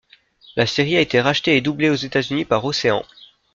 La série a été rachetée et doublée aux États-Unis par Ocean.